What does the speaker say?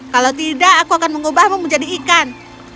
kalau tidak aku akan mengubahmu menjadi ikan